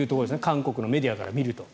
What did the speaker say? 韓国のメディアから見ると。